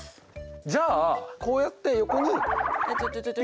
じゃあこうやって横にちょちょちょ。